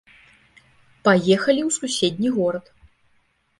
Паехалі ў суседні горад.